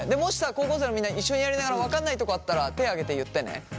高校生のみんな一緒にやりながら分かんないとこあったら手挙げて言ってね。